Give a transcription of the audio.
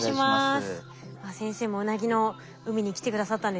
先生もウナギの海に来て下さったんですね。